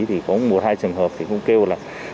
thì có một hai trường hợp cũng kêu là